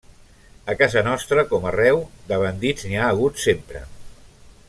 A casa nostra, com arreu, de bandits n'hi ha hagut sempre.